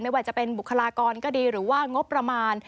ว่าจะเป็นบุคลากรก็ดีหรือว่างบประมาณ